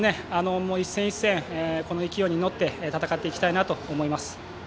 一戦一戦この勢いに乗って戦っていきたいなと思います。